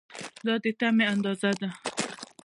دا د دې تمې اندازه ده.